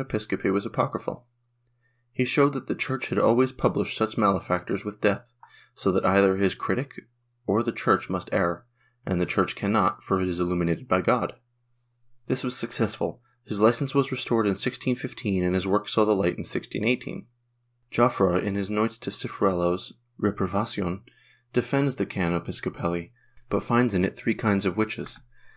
Episcopi was apocryphal; he showed that the Church had always punished such malefactors with death, so that either his critic or the Church must err, and the Church cannot, for it is illuminated by God.^ This was successful, his licence was restored in 1615 and his work saw the Hght in 1618. Jofreu in his notes on Ciruelo's ''Reprovacion," defends the can. Episcopi, but finds in it three kinds of witches — those who ' Archive de Simancas, Inq.